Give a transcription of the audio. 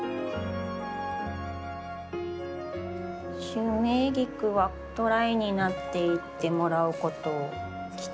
シュウメイギクはドライになっていってもらうことを期待して。